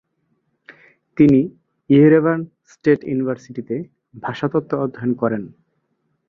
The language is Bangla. তিনি ইয়েরেভান স্টেট ইউনিভার্সিটিতে ভাষাতত্ত্ব অধ্যয়ন করেন।